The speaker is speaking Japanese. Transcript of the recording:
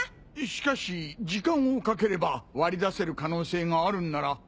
しかし時間をかければ割り出せる可能性があるんなら。